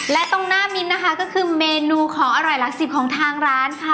และตรงหน้ามิ้นนะคะก็คือเมนูของอร่อยหลักสิบของทางร้านค่ะ